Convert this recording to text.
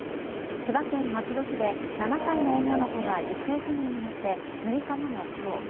千葉県松戸市で７歳の女の子が行方不明になって６日目の今日。